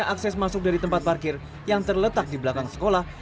akses masuk dari tempat parkir yang terletak di belakang sekolah